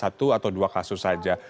satu atau dua kasus saja